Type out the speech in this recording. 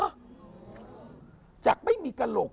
จากไม่มีกระโหลก